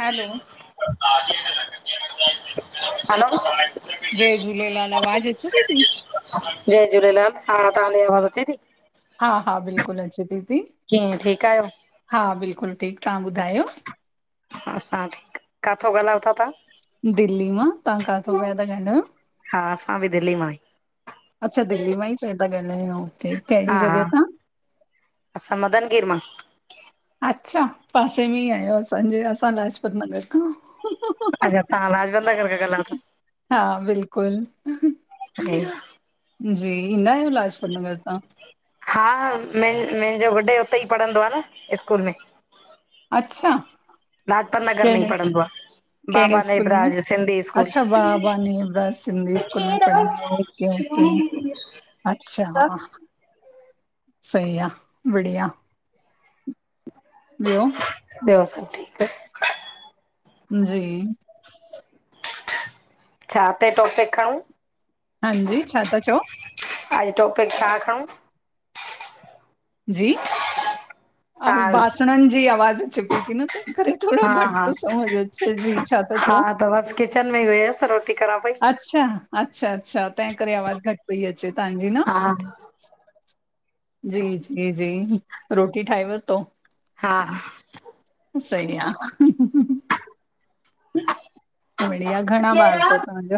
हलो hello जय झूलेलाल आवाज़ अचे थी जय झूलेलाल हा तव्हांजी आवाज़ अचे थी हा हा बिल्कुलु अचे दीदी कीअ ठीकु आहियो हा बिल्कुलु ठीकु तव्हां ॿुधायो असां ठीकु किथो ॻाल्हायो था तव्हां दिल्ली मां तव्हां किथ पया था ॻाल्हायो हा असां बि दिल्ली मां आ आहियूं अच्छा दिल्ली मां ई प था ॻाल्हायो हा कहिड़ी जॻह हा त असां मदन गीर मां अच्छा पासे में ई आहियो असांजे असां लाजपत नगर खां अच्छा तव्हां लाजपत नगर खां ॻाल्हायो था हा बिल्कुलु जी ईंदा [unintelligible] आहियो लाजपत नगर तां हा मुंहिंजो गुढे [unintelligible] उते ई पढ़ंदो आहे न स्कूल में अच्छा लाजपत नगर में ई कहिड़े पढ़ंदो आहे कहिड़े बाबा स्कूल में? नेबराज सिंधी स्कूल [unintelligible] अच्छा बाबा नेवदास सिंधी स्कूल में पढ़ंदा ओके ओके शिणी थी आहे [unintelligible] अच्छा सही आहे बढ़िया ॿियो ॿियो सब ठीक जी छा ते टॉपिक खणूं हांजी छा था चओ अॼु टॉपिक छा खणूं जी तव्हां बासणनि जी आवाज़ अचे पई थी न तंहिं करे थोरो हा घटि हा थो समझ अचे जी छा था हा चओ? त बसि किचन में ई हुयसि रोटी करां पई अच्छा अच्छा अच्छा तंहिं करे आवाजु घटि पई अचे तव्हांजी न हा हा जी जी जी रोटी ठाहे वठतो हा सही आं बढ़िया घणा ॿार अथव तव्हांजा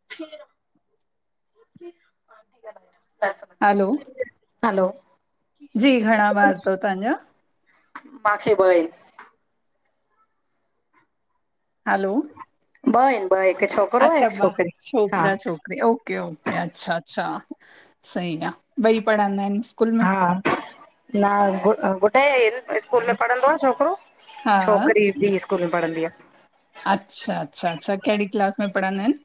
ह [unintelligible] हलो हलो जी घणा ॿार अथव तव्हांजा मांखे ॿ आहिन हलो ॿ आहिन ॿ हिकु छोकिरो आहे अच्छा हिकु ॿार छोकरी हा छोकिरा छोकिरी ओके ओके अच्छा अच्छा सही आहे ॿई पढ़ंदा आहिन हा न गुडे स्कूल में पढ़ंदो आ छोकिरो। हा छोकरी ॿी में स्कूल में पढ़ंदी आ। अच्छा -अच्छा अच्छा कहिड़ी क्लास में पढ़ंदा आहिनि?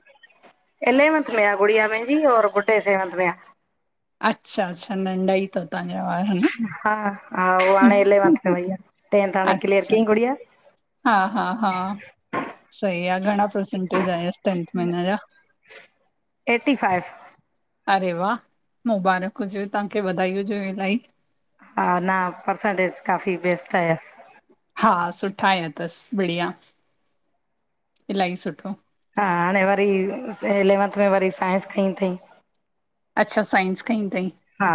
इलेवंथ में आ गुड़िया मुहिंजी और गुडे सेवंथ में आ। अच्छा अच्छा नंढाई तव तव्हांजा वारा हा न? हा हा ओ हाणे इलेवंथ में वई आ, टेंथ हाणे क्लीअर अच्छा, कईं गुड़िया। हा हा हा सही आ घणां परसेंटेज आयसि टेंथ में हुन या? Eighty five. अरे वाह! मुबारक हुॼेव तव्हांखे वधाई हुजेव इल्हाई। हा ना, परसेंटेज़ काफ़ी बेस्ट आयसि। हा सुठा आया तसि बढ़िया इल्हाई सुठो। हा, हाणें वरी इलैवंथ में वरी साइंस खईं थईं। अच्छा! साइंस खंई थईं। हा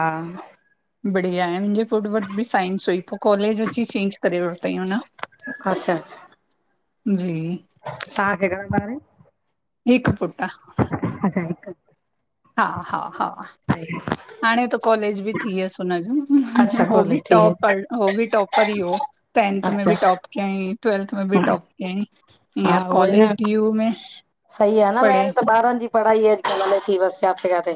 बढ़िया मुंहिंजे पुट्र वट ॿि साइंस हुई पो कॉलेज अची चेंज करे वरितईं उन। अच्छा अच्छा जी। तहांखे घणां ॿार आहिन? हिक पुट्र आ। अच्छा हिक हा हा हा हांणे त कॉलेज ॿि थी वियसि अच्छा हुनॼो हो ॿि कॉलेज थी वियसि टॉपर हो ॿि टॉपर ही, हो टेंथ में अच्छा ॿि टॉप कई। ट्वेल्थ में ॿि हा टॉप कियांईं, हा हींअर उहोई कॉलेज न डी यू में सही आ न पढ़े मेन त ॿारनि ॼी पढ़ाई अॼुकल्ह हले थी बस जाते काथे।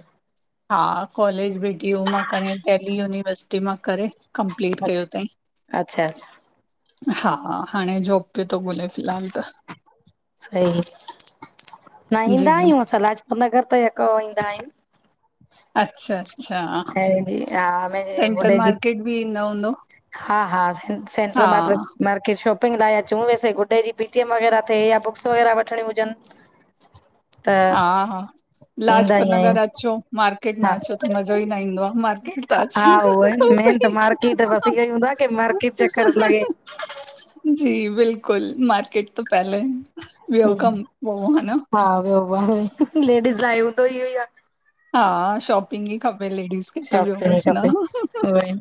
हा कॉलेॼ ॿी डी यू मां करे दिल्ली यूनिवर्सिटी मां करे। कंप्लीट कयो तंईं। अच्छा अच्छा अच्छा हा, हांणे जॉब पियो तो ॻोल्हे फिलहाल त। सही, न ईंदा जी आहियूं असां लाजपत नगर त यको ईंदा आहियूं। अच्छा -अच्छा ऐं जी हा मुंहिंजे सेंटर गुॾे जी मार्केट ॿि इन्दा हुंदव? हा -हा सें सेंट्रल माट्रिक मार्केट शॉप पिंॻ लाए अचूं वैसे ॻुड्डे जी पीटीएम वगॻैरह थिए या बुक्स वॻैरह वठिणीयुं हुॼनि। हा हा ईंदा लाजपत ई आहियूं नगर अचो, मार्केट न हा अचो त मज़ो ही न ईंदो आ मार्केट त। अचण हा उहो ही मेन त मार्किट बस खपे इहो ही हूंदो आ की मार्किट चक्कर लॻे। ॼी बिल्कुल मार्किट त पहिले, ॿियो हम्म, कम पो हा न? हा वियो [unintelligible] लेडीज़ लाइ हूंदो ही इहो ही आ। हा शॉपिंग ही खपे लेडीज़ खे त ॿियो शॉपिंग कुछ न खपे उहोई